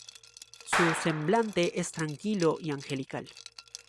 Su semblante es tranquilo y angelical.